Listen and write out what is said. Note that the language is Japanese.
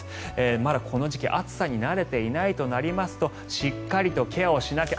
まだこの時期、暑さに慣れていないとなりますとしっかりとケアをしなきゃ。